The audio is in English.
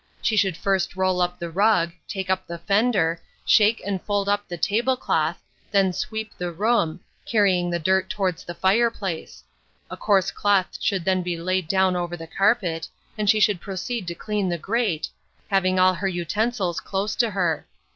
She should first roll up the rug, take up the fender, shake and fold up the table cloth, then sweep the room, carrying the dirt towards the fireplace; a coarse cloth should then be laid down over the carpet, and she should proceed to clean the grate, having all her utensils close to her.